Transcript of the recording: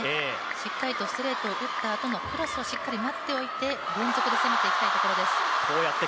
しっかりとストレートを打ったあとのクロスをしっかりと待っておいて連続で攻めていきたいところです。